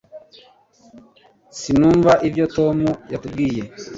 Sinumva ibyo Tom yatubwiye